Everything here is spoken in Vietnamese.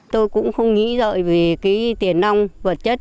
tôi cũng không nghĩ rợi về tiền nông vật chất